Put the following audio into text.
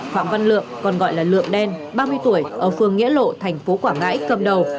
phạm văn lượng còn gọi là lượng đen ba mươi tuổi ở phường nghĩa lộ thành phố quảng ngãi cầm đầu